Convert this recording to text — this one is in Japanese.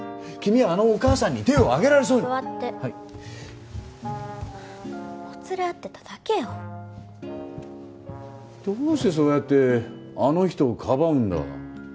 君はあのお母さんに手を上げられそうに座ってはいもつれあってただけよどうしてそうやってあの人をかばうんだ？